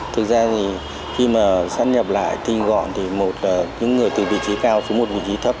thực ra thì khi mà sát nhập lại tinh gọn thì một những người từ vị trí cao xuống một vị trí thấp